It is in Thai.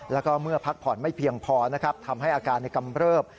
แล้วก็เมื่อพักผ่อนไม่เพียงพอนะครับทำให้อาการในกำเริบ